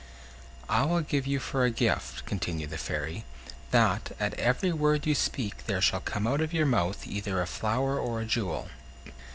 "I will give you for a gift," continued the Fairy, "that, at every word you speak, there shall come out of your mouth either a flower or a jewel."